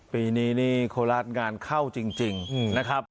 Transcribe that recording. ปีนี้นี่โคราชงานเข้าจริงนะครับ